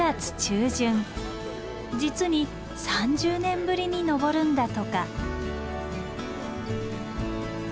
実に３０年ぶりに登るんだとか。